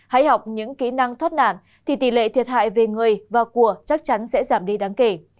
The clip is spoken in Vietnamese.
hãy học những kỹ năng thoát nạn thì tỷ lệ thiệt hại về người và của chắc chắn sẽ giảm đi đáng kể